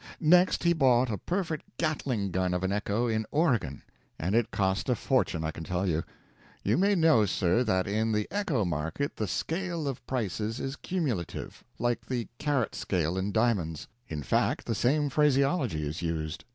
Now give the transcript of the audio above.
Next he bought a perfect Gatling gun of an echo in Oregon, and it cost a fortune, I can tell you. You may know, sir, that in the echo market the scale of prices is cumulative, like the carat scale in diamonds; in fact, the same phraseology is used.